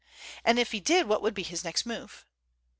And if he did, what would be his next move?